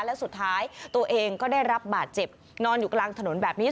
และสุดท้ายตัวเองก็ได้รับบาดเจ็บนอนอยู่กลางถนนแบบนี้